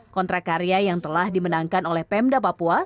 kontrak karya yang telah dimenangkan oleh pemda papua